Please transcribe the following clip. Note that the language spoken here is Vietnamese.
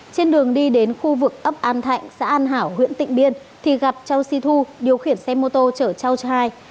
trên đường đi đến khu vực ấp an thạnh xã an hảo huyện tịnh biên thì gặp châu si thu điều khiển xe mô tô chở châu trai